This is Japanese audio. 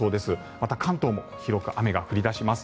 また、関東も広く雨が降り出します。